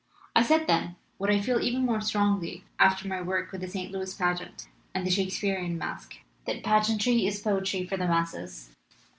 I said then, what I feel even more strongly after my work with the St. Louis Pageant and the Shakespearian Masque, that pageantry is poetry for the masses.